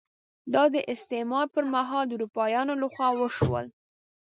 دا د استعمار پر مهال د اروپایانو لخوا وشول.